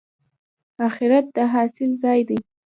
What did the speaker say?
اخرت د حاصل ځای دی